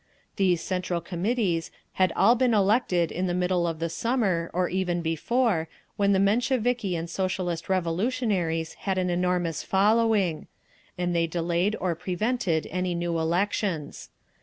These Central Committees had all been elected in the middle of the summer, or even before, when the Mensheviki and Socialist Revolutionaries had an enormous following; and they delayed or prevented any new elections.